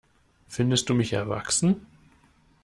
Findest du mich erwachsen?